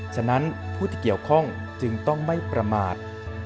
ฉะนั้นผู้ที่เกี่ยวข้องจึงต้องไม่ประมาท